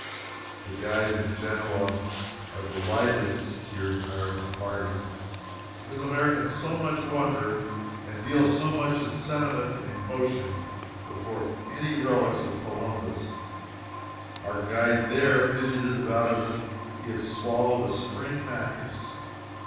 The guides in Genoa are delighted to secure an American party, because Americans so much wonder, and deal so much in sentiment and emotion before any relic of Columbus. Our guide there fidgeted about as if he had swallowed a spring mattress.